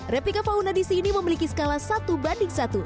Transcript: replika fauna di sini memiliki skala satu banding satu